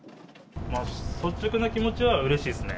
率直な気持ちはうれしいですね。